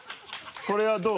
これはどう？